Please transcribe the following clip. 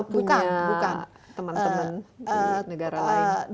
punya kita atau punya teman teman negara lain